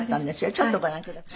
ちょっとご覧ください。